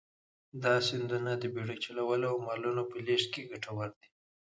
دا سیندونه د بېړۍ چلولو او مالونو په لېږد کې کټوردي.